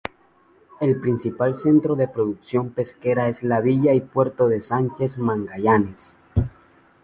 El principal centro de producción pesquera es la villa y puerto de Sánchez Magallanes.